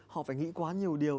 họ phải nghĩ quá nhiều điều